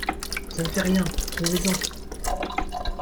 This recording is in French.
Ça ne fait rien, trouvez-en !